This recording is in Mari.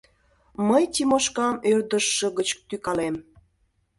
Мый Тимошкам ӧрдыжшӧ гыч тӱкалем.